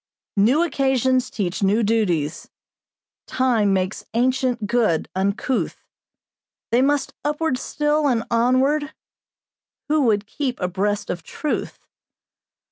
"'New occasions teach new duties, Time makes ancient good uncouth, They must upward still and onward, Who would keep abreast of truth.